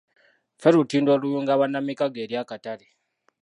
Ffe lutindo oluyunga bannamikago eri akatale.